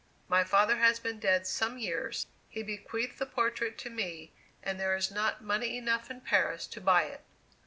My father has been dead some years. He bequeathed the portrait to me, and there is not money enough in Paris to buy it."